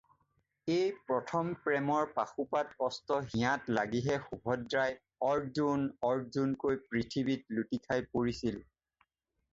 "এই প্ৰথম প্ৰেমৰ পাশুপাত অস্ত্ৰ হিয়াত লাগিহে সুভদ্ৰাই "অৰ্জ্জুন" "অৰ্জ্জুন"কৈ পৃথিৱীত লুটিখাই পৰিছিল।"